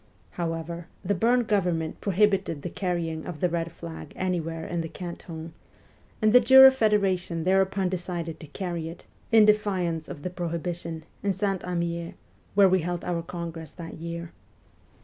However, the Bern Government prohibited the carrying of the red flag anywhere in the canton ; and the Jura Federation thereupon decided to carry it, in defiance of the prohibition, in St. Imier, where we held our congress that year.